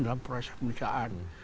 dalam proses pemeriksaan